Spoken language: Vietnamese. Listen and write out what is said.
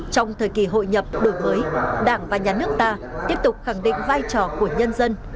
trong thời kỳ hội nhập đổi mới đảng và nhà nước ta tiếp tục khẳng định vai trò của nhân dân